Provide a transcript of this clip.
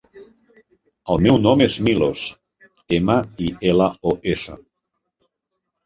El meu nom és Milos: ema, i, ela, o, essa.